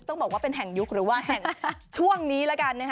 ต้องบอกว่าเป็นแห่งยุคหรือว่าแห่งช่วงนี้แล้วกันนะฮะ